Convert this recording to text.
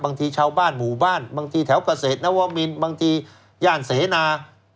บางทีชาวบ้านหมู่บ้านบางทีแถวเกษตรนวมินบางทีย่านเสนา